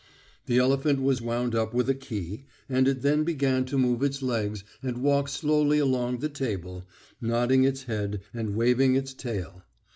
The elephant was wound up with a key, and it then began to move its legs and walk slowly along the table, nodding its head and waving its tail.